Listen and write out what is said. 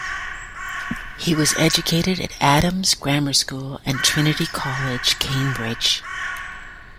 He was educated at Adams' Grammar School and Trinity College, Cambridge.